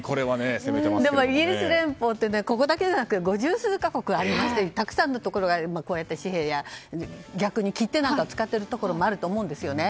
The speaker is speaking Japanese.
イギリス連邦ってここだけじゃなくて五十数か国あってたくさんのところが紙幣や逆に切手なんかを使っているところもあると思うんですよね